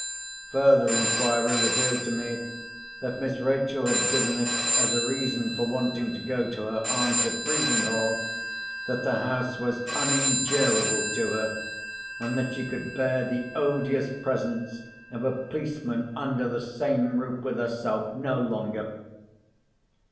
Further inquiry revealed to me, that Miss Rachel had given it as a reason for wanting to go to her aunt at Frizinghall, that the house was unendurable to her, and that she could bear the odious presence of a policeman under the same roof with herself no longer.